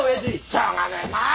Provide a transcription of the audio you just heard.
しょうがねえなあ！